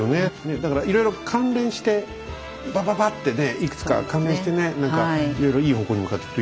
だからいろいろ関連してバババッてねいくつか関連してね何かいろいろいい方向に向かってくといいですよね。